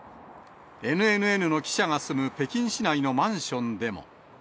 ＮＮＮの記者が住む北京市内のマンションでも。